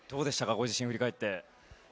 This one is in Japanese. ご自身、振り返って。